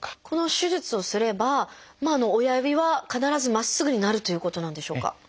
この手術をすれば親指は必ずまっすぐになるということなんでしょうか？